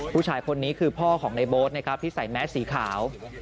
ผู้ชายคนนี้คือพ่อของในโบ๊ทนะครับที่ใส่แมสสีขาว